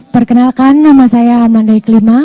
perkenalkan nama saya amanda iklima